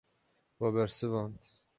We bersivand.